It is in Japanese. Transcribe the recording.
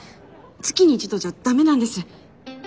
月に１度じゃ駄目なんです。